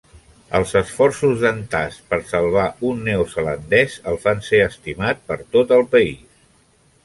Els esforços d"en Tas per salvar un neozelandès el fan ser estimat per tot el país.